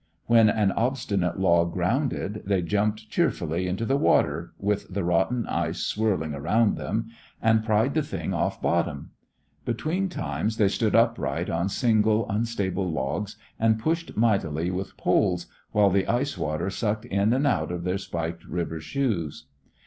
When an obstinate log grounded, they jumped cheerfully into the water with the rotten ice swirling around them and pried the thing off bottom. Between times they stood upright on single, unstable logs and pushed mightily with poles, while the ice water sucked in and out of their spiked river shoes.